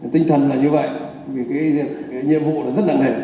tinh thần là như vậy vì cái nhiệm vụ là rất đặc hệ